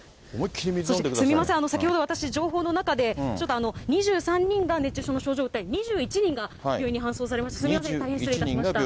すみません、先ほど、私、情報の中でちょっと２３人が熱中症の症状を訴え、２１人が病院に搬送されました。